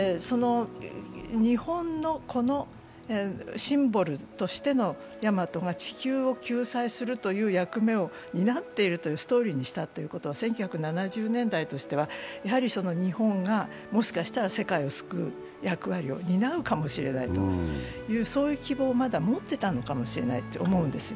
日本のこのシンボルとしてのヤマトが地球を救済するという役目を担っているというストーリーにしたということは１９７０年代としては、日本がもしかしたら世界を救う役割を持ってるのかもしれないという希望をまだ持っていたのかもしれないと思うんですよ。